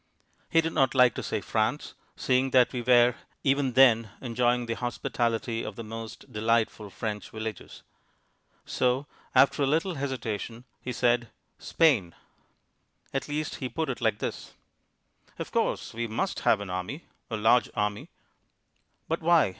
He did not like to say "France," seeing that we were even then enjoying the hospitality of the most delightful French villages. So, after a little hesitation, he said "Spain." At least he put it like this: "Of course, we must have an army, a large army." "But why?"